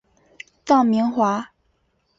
臧明华。